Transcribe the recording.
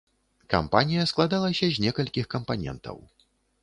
Кампанія складалася з некалькіх кампанентаў.